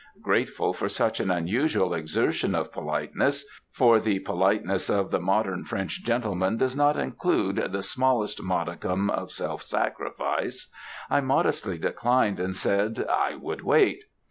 Grateful for such an unusual exertion of politeness for the politeness of the modern French gentleman does not include the smallest modicum of self sacrifice I modestly declined, and said, "I would wait."